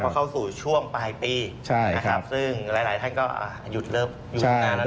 ก็เข้าสู่ช่วงปลายปีนะครับซึ่งหลายท่านก็หยุดเริ่มดังนะครับ